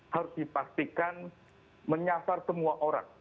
harus dipastikan menyasar semua orang